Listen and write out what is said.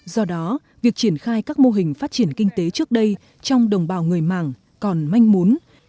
do đó việc triển khai các mô hình phát triển kinh tế trước đây trong đồng bào người mạng còn manh muốn